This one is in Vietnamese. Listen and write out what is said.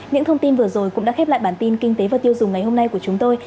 những thông tin vừa rồi cũng đã khép lại bản tin kinh tế và tiêu dùng ngày hôm nay của chúng tôi